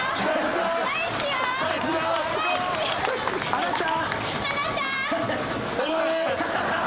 「あなた」